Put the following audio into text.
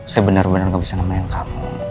saya benar benar gak bisa nemenin kamu